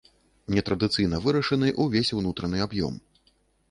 Нетрадыцыйна вырашаны ўвесь унутраны аб'ём.